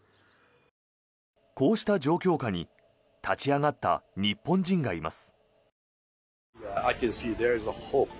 こうした状況下に立ち上がった日本人がいます。